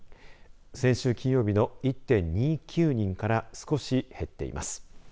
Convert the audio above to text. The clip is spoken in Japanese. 先週金曜日の１．２９人から少し減っています。